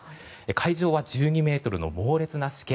海上は１２ｍの猛烈なしけ。